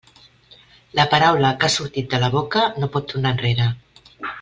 La paraula que ha sortit de la boca no pot tornar enrere.